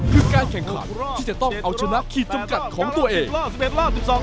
คือการแข่งขันที่จะต้องเอาชนะขีดจำกัดของตัวเอง